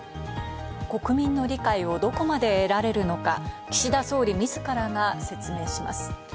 国民の理解をどこまで得られるのか、岸田総理自らが説明します。